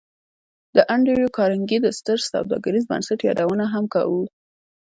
د انډریو کارنګي د ستر سوداګریز بنسټ یادونه هم کوو